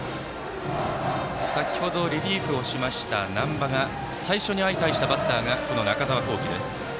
先程リリーフした、難波が最初に相対したバッターが中澤恒貴です。